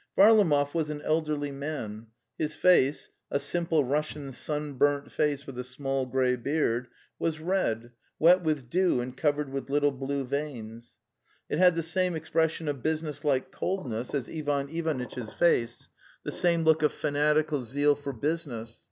Varlamov was an elderly man. His face, a simple Russian sunburnt face with a small grey beard, was red, wet with dew and covered with little blue veins; it had the same expression of busi nesslike coldness as Ivan Ivanitch's face, the same look of fanatical zeal for business.